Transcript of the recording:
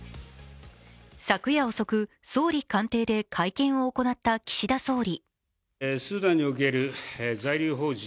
昨夜遅く、総理官邸で会見を行った岸田総理。